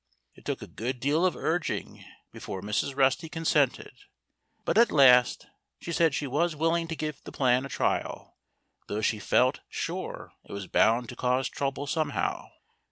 It took a good deal of urging before Mrs. Rusty consented. But at last she said she was willing to give the plan a trial, though she felt sure it was bound to cause trouble, somehow.